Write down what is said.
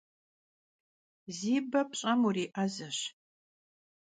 Zi be pş'em vuri'ezeş.